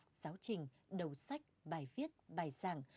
giáo trình đầu sách bài viết bài giảng